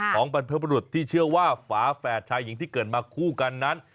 บรรพบรุษที่เชื่อว่าฝาแฝดชายหญิงที่เกิดมาคู่กันนั้น